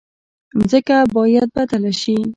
ځمکه باید بدله شي.